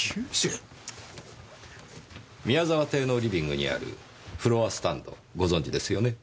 ９０？宮澤邸のリビングにあるフロアスタンドご存じですよね？